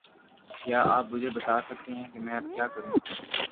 کیا آپ مجھے بتا سکتے ہے کہ میں اب کیا کروں؟